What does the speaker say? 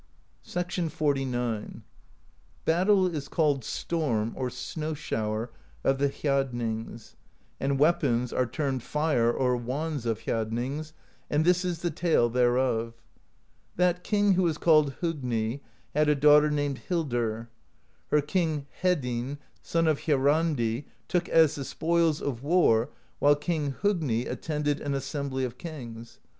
XLIX. "Battle is called Storm or Snow Shower of the Hjadnings, and weapons are termed Fire or Wands of Hjadnings; and this is the tale thereof: that king who was called Hogni had a daughter named Hildr: her King He dinn, son of Hjarrandi, took as the spoils of war, while King Hogni attended an assembly of kings.